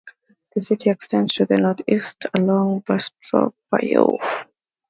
The city extends to the northeast along Bastrop Bayou.